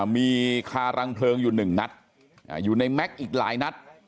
มีคารังเพลิงอยู่๑นัดอยู่ในแม็กซ์อีกหลายนัด